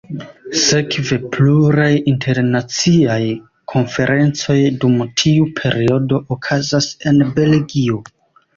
Sekve pluraj internaciaj konferencoj dum tiu periodo okazas en Belgio.